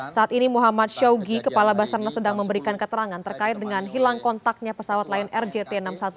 saat ini muhammad syawgi kepala basarna sedang memberikan keterangan terkait dengan hilang kontaknya pesawat lion air jt enam ratus sepuluh